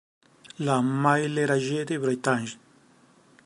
La Meilleraye-de-Bretagne